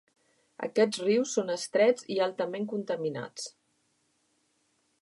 Aquests rius són estrets i altament contaminats.